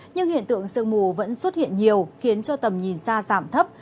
nhưng hiện tượng sương mù vẫn xuất hiện nhiều khiến cho tầm nhìn xa giảm thấp